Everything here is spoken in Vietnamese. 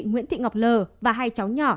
nguyễn thị ngọc lờ và hai cháu nhỏ